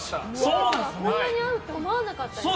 こんなに合うと思わなかったですね。